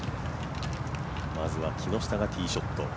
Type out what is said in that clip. まずは木下がティーショット。